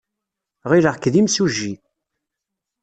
Ɣileɣ-k d imsujji.